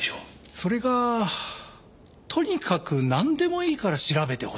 それがとにかくなんでもいいから調べてほしいと。